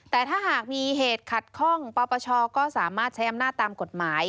แต่ถ้าหากมีเหตุขัดข้องปปชก็สามารถใช้อำนาจตามกฎหมาย